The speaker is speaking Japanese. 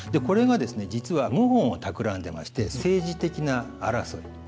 これがですね実は謀反をたくらんでまして政治的な争い